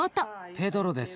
ペドロです。